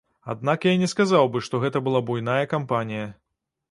Аднак я не сказаў бы, што гэта была буйная кампанія.